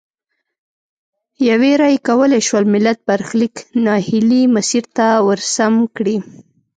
یوې رایې کولای شول ملت برخلیک نا هیلي مسیر ته ورسم کړي.